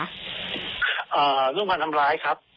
ร่วงพอดังร้ายครับ